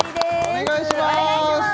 お願いします